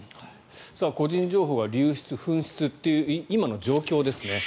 個人情報が流出、紛失という今の状況ですね。